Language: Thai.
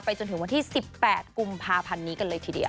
จนถึงวันที่๑๘กุมภาพันธ์นี้กันเลยทีเดียว